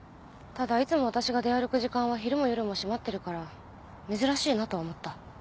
ただいつも私が出歩く時間は昼も夜も閉まってるから珍しいなとは思った。